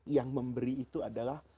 yang memberi itu adalah